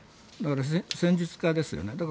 だから戦術家ですよね。